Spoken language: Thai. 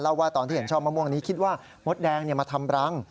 ว่าตอนที่เห็นชอบมะม่วงนี้คิดว่ามดแดงมาทำรัง